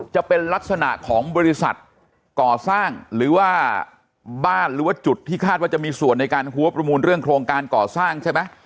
จะเป็นลักษณะของบริษัทก่อสร้างหรือว่าบ้านหรือว่าจุดที่คาดว่าจะมีส่วนในการหัวประมูลเรื่องโครงการก่อสร้างใช่ไหม